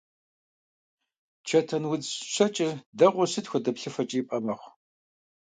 Чэтэнудз щэкӀыр дэгъуэу сыт хуэдэ плъыфэкӀи ипӀэ мэхъу.